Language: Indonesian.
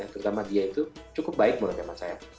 terutama dia itu cukup baik menurut hemat saya